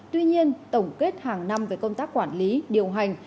tuy nhiên tổng kết hàng năm về công tác quản lý điều hành